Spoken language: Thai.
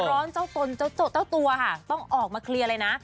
อ๋อร้อนเจ้าตนเจ้าตัวต้องออกมาเคลียร์เลยนะ